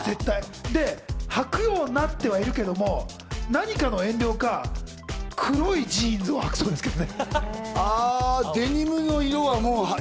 で、はくようにはなってるけど、何かの遠慮か黒いジーンズをはくそうですけどね。